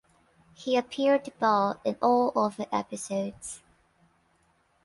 He appeared bald in all other episodes.